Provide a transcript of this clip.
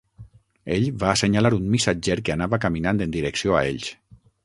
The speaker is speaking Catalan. Ell va assenyalar un missatger que anava caminant en direcció a ells.